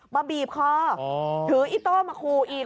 มาบีบข้อถืออิโต้มาคูอีก